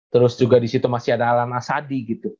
terus juga disitu masih ada alam asadi gitu